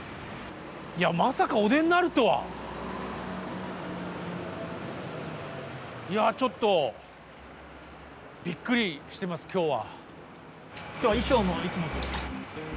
いやまさかお出になるとは。いやちょっとびっくりしてます今日は。